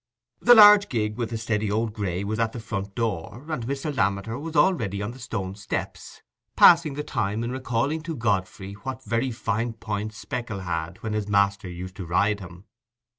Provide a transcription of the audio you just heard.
The large gig with the steady old grey was at the front door, and Mr. Lammeter was already on the stone steps, passing the time in recalling to Godfrey what very fine points Speckle had when his master used to ride him.